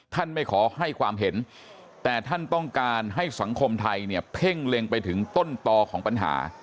ไม่ขอให้ความเห็นแต่ท่านต้องการให้สังคมไทยเนี่ยเพ่งเล็งไปถึงต้นต่อของปัญหา